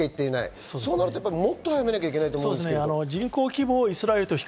そうなると、もっと早めなきゃいけないと思うんですけど。